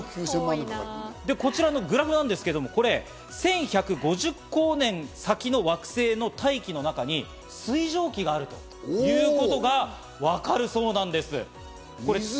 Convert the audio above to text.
こちらのグラフなんですけど、１１５０光年先の惑星の大気の中に水蒸気があるということがわかるそうなんです。